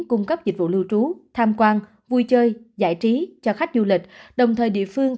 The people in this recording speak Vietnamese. cung cấp dịch vụ lưu trú tham quan vui chơi giải trí cho khách du lịch đồng thời địa phương